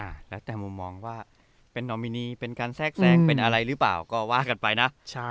แล้วแต่มุมมองว่าเป็นนอมินีเป็นการแทรกแทรงเป็นอะไรหรือเปล่าก็ว่ากันไปนะใช่